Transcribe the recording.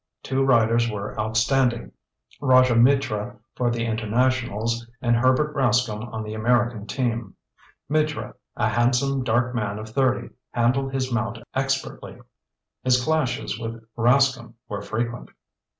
Two riders were outstanding, Rajah Mitra for the Internationals, and Herbert Rascomb on the American team. Mitra, a handsome, dark man of thirty, handled his mount expertly. His clashes with Rascomb were frequent.